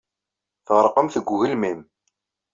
Tɣerqemt deg ugelmim.